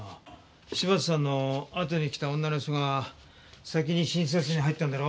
柴田さんのあとに来た女の人が先に診察室に入ったんだろ？